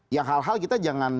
yang hal hal kita jangan